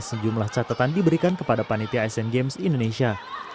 sejumlah catatan diberikan kepada panitia asian games indonesia